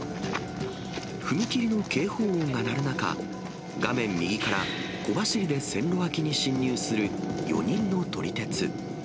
踏切の警報音が鳴る中、画面右から小走りで線路脇に侵入する４人の撮り鉄。